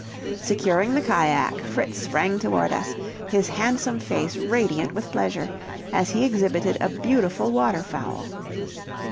Securing the cajack, Fritz sprang toward us, his handsome face radiant with pleasure, as he exhibited a beautiful waterfowl.